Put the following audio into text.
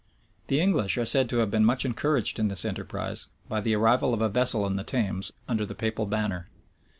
The English are said to have been much encouraged, in this enterprise, by the arrival of a vessel in the Thames under the papal banner.